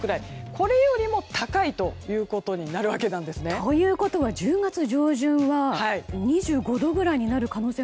これよりも高いということになるわけなんですね。ということは１０月上旬は２５度ぐらいになる可能性も。